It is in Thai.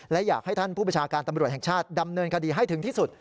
และอยากให้ท่านผู้ประชาการตำรวจแห่งชาติดำเนินคดีให้ถึงที่สุด